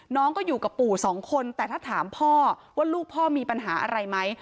น้องก็อยู่กับปู่สองคนแต่ถ้าถามพ่อว่าลูกพ่อมีปัญหาอะไรไหม